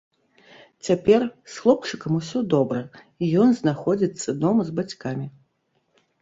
Цяпер з хлопчыкам усё добра і ён знаходзіцца дома з бацькамі.